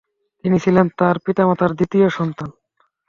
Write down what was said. তিনি ছিলেন তার পিতামাতার দ্বিতীয় সন্তান।